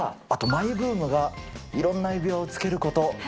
あとマイブームが、いろんな指輪をつけること。